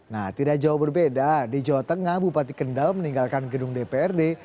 nah tidak jauh berbeda di jawa tengah bupati kendal meninggalkan gedung dprd